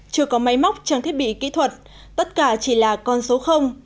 chưa có máy móc trang thiết bị kỹ thuật tất cả chỉ là con số